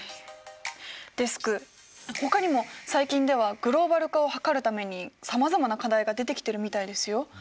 デスクほかにも最近ではグローバル化を図るためにさまざまな課題が出てきてるみたいですよ。